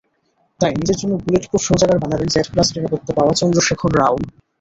তাই নিজের জন্য বুলেটপ্রুফ শৌচাগার বানালেন জেড প্লাস নিরাপত্তা পাওয়া চন্দ্রশেখর রাও।